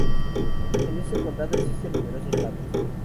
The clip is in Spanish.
En este condado existen numerosos lagos.